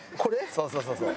そうそうそうそう。